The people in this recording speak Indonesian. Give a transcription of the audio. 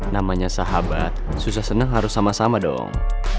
namanya sahabat susah senang harus sama sama dong